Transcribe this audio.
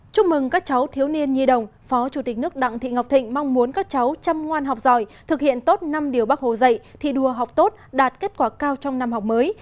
chúc mừng các cháu thiếu niên nhi đồng phó chủ tịch nước đặng thị ngọc thịnh mong muốn các cháu chăm ngoan học giỏi thực hiện tốt năm điều bắc hồ dạy thi đua học tốt đạt kết quả cao trong năm học mới